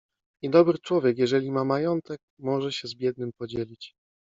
I dobry człowiek, jeżeli ma majątek, może się z biednym podzielić.